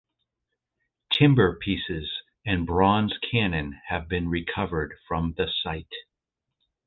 Timber pieces and bronze cannon have been recovered from the site.